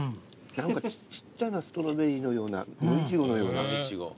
ちっちゃなストロベリーのような野イチゴのような。